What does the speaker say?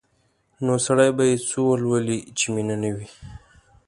نو سړی به یې څه ولولي چې مینه نه وي؟